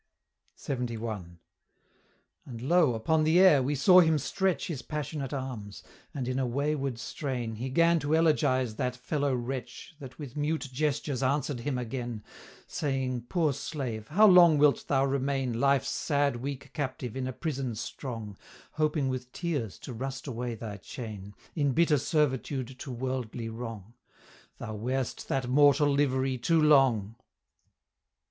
LXXI. "And lo! upon the air we saw him stretch His passionate arms; and, in a wayward strain, He 'gan to elegize that fellow wretch That with mute gestures answer'd him again, Saying, 'Poor slave, how long wilt thou remain Life's sad weak captive in a prison strong, Hoping with tears to rust away thy chain, In bitter servitude to worldly wrong? Thou wear'st that mortal livery too long!'"